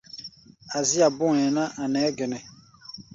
Azía bó hɛ̧ɛ̧ ná, a̧ nɛɛ́ gɛnɛ.